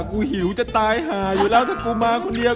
หิวจะตายหาอยู่แล้วถ้ากูมาคนเดียว